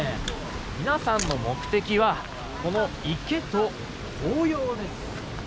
皆さんの目的はこの池と紅葉です。